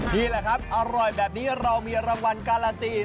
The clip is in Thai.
นี่แหละครับอร่อยแบบนี้เรามีรางวัลการันตี